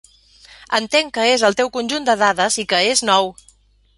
Entenc que és el teu conjunt de dades i que és nou.